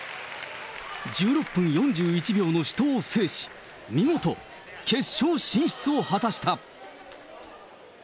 １６分４１秒の死闘を制し、見事決勝進出を果たした。